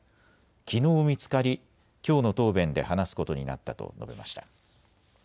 きのう見つかりきょうの答弁で話すことになったと述べました。